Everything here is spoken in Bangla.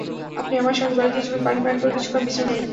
আপনি আমার সঙ্গে বাড়িতে চলুন, পানি পান করে কিছুক্ষণ বিশ্রাম নেবেন।